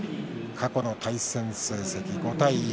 過去の対戦成績、５対１。